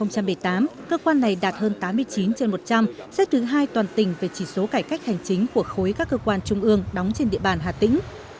năm hai nghìn một mươi tám cơ quan này đạt hơn tám mươi chín trên một trăm linh xếp thứ hai toàn tỉnh về chỉ số cải cách hành chính của khối các cơ quan trung ương đóng trên địa bàn hà tĩnh